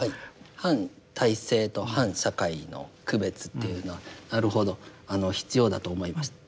反体制と反社会の区別っていうのはなるほど必要だと思います。